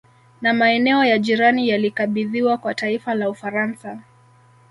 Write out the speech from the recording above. Na maeneo ya jirani yalikabidhiwa kwa taifa la Ufaransa